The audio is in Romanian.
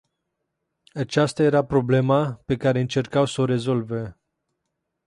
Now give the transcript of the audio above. Aceasta era problema pe care încercau s-o rezolve.